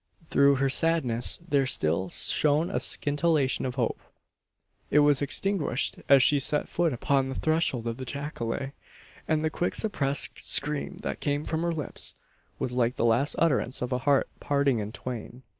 Through her sadness there still shone a scintillation of hope. It was extinguished as she set foot upon the threshold of the jacale; and the quick suppressed scream that came from her lips, was like the last utterance of a heart parting in twain.